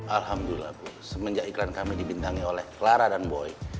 alhamdulillah bu semenjak iklan kami dibintangi oleh clara dan boy